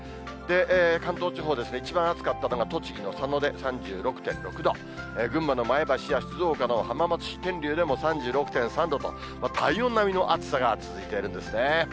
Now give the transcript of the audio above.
関東地方ですね、一番暑かったのが栃木の佐野で３６．６度、群馬の前橋や静岡の浜松市天竜でも３６．３度と、体温並みの暑さが続いているんですね。